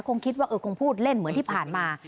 คงคิดว่าเออคงพูดเล่นเหมือนที่ผ่านมา